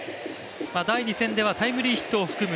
第２戦ではタイムリーヒットを含む